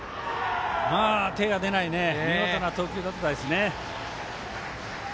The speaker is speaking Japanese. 手が出ない見事な投球でしたね。